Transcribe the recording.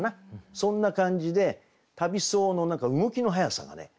そんな感じで旅僧の動きの速さがね